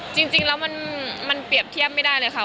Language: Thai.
จริงแล้วมันเปรียบเทียบไม่ได้เลยค่ะ